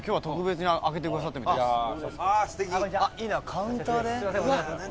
カウンターで？